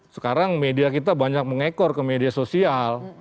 sekarang media kita banyak mengekor ke media sosial